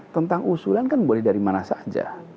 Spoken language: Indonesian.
tentang usulan kan boleh dari mana saja